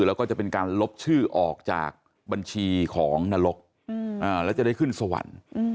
แล้วก็จะเป็นการลบชื่อออกจากบัญชีของนรกแล้วจะได้ขึ้นสวรรค์